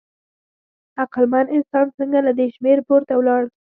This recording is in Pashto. عقلمن انسان څنګه له دې شمېر پورته ولاړ؟